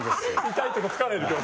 痛いとこつかれる今日。